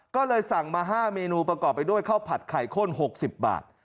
ก็เลยสั่งมา๕เมนูประกอบไปด้วยข้าวผัดไข่ข้น๖๐บาท